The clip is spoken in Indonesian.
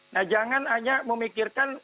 nah jangan hanya memikirkan